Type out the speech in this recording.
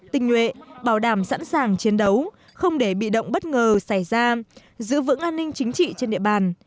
tinh nhuệ bảo đảm sẵn sàng chiến đấu không để bị động bất ngờ xảy ra giữ vững an ninh chính trị trên địa bàn